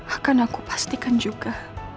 akan aku pastikan juga